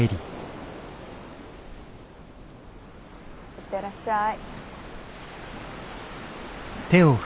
行ってらっしゃい。